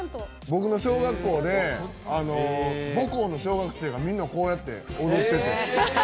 僕の小学校で母校の小学生がみんな、こうやって踊ってて。